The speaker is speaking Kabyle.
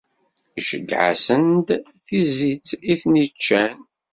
Iceyyeɛ-asen-d tizitt i ten-iččan.